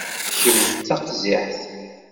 Kemm d taqziḥt.